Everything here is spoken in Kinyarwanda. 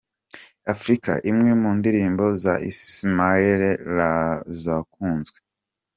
Africa, imwe mu ndirimbo za Ismaël Lô zakunzwe.